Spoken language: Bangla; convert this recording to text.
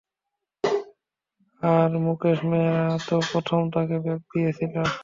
আর মুকেশ মেহরা তো প্রথম তাঁকে ব্রেক দিয়েছিলো।